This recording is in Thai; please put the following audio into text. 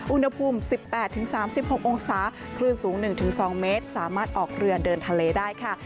อุณหภูมิ๑๘๓๖องศาคลื่นสูง๑๒เมตรสามารถออกเรือเดินทะเลได้ค่ะ